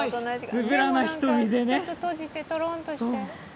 つぶらな瞳でね。